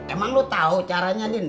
emang lo tau caranya din